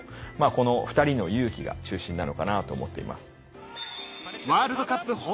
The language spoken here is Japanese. この「２人のユウキ」が中心なのかなと思っています。